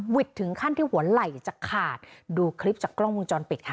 ถึงขั้นที่หัวไหล่จะขาดดูคลิปจากกล้องวงจรปิดค่ะ